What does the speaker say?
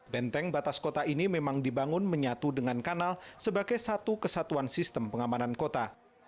benteng batas kota ini memang dibangun menyatu dengan kanal sebagai satu kesatuan sistem pengamanan kota